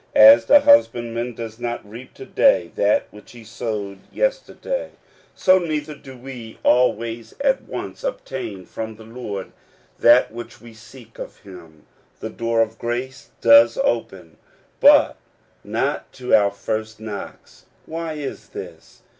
As the husbandman does not reap to day that which he sowed yesterday, so neither do we always at once obtain from the Lord that which we seek of him. The door of grace does open, but not to our first knocks. Why is this